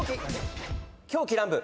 狂喜乱舞。